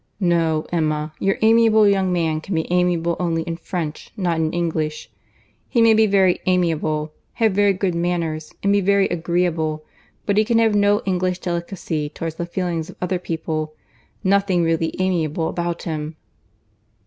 No, Emma, your amiable young man can be amiable only in French, not in English. He may be very 'amiable,' have very good manners, and be very agreeable; but he can have no English delicacy towards the feelings of other people: nothing really amiable about him."